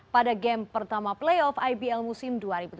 pada game pertama playoff ibl musim dua ribu tujuh belas dua ribu delapan belas